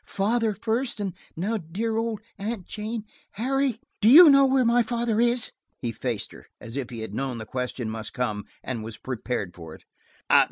Father first, and now dear old Aunt Jane! Harry, do you know where my father is?" He faced her, as if he had known the question must come and was prepared for it.